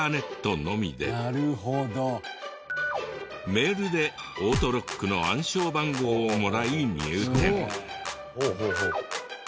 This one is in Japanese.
メールでオートロックの暗証番号をもらい入店。